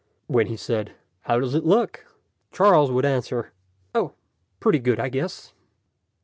When he said, "How does it look?" Charles would answer, "Oh, pretty good, I guess."